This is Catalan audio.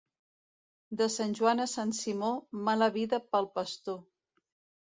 De Sant Joan a Sant Simó, mala vida pel pastor.